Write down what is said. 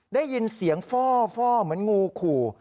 ได้ยินเสียงฟ่อเหมือนงูขู่